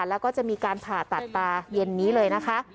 แล้วก็จะมีการผ่าตัดตาเย็นนี้เลยนะคะ